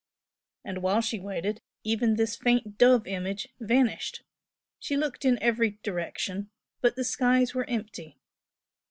And while she waited, even this faint dove image vanished! She looked in every direction, but the skies were empty.